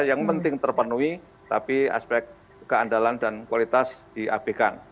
yang penting terpenuhi tapi aspek keandalan dan kualitas di ab kan